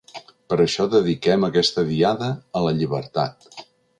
Per això dediquem aquesta Diada a la llibertat.